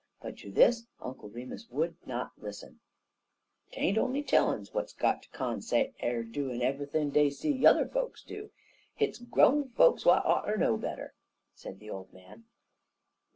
But to this Uncle Remus would not listen. "'Tain't on'y chilluns w'at got de consate er doin' eve'ything dey see yuther folks do. Hit's grown folks w'at oughter know better," said the old man.